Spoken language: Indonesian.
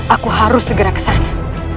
aku harus segera ke sana